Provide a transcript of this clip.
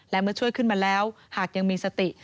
และเมื่อช่วยขึ้นมาแล้วหากยังมีสติ